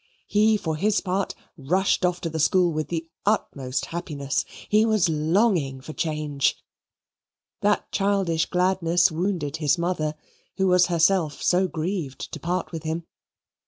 He, for his part, rushed off to the school with the utmost happiness. He was longing for the change. That childish gladness wounded his mother, who was herself so grieved to part with him.